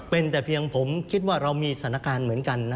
เป็นแต่เพียงผมคิดว่าเรามีสถานการณ์เหมือนกัน